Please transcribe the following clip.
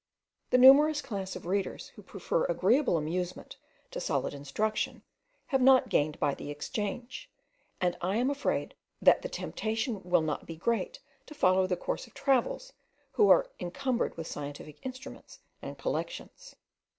The numerous class of readers who prefer agreeable amusement to solid instruction, have not gained by the exchange; and I am afraid that the temptation will not be great to follow the course of travellers who are incumbered with scientific instruments and collections.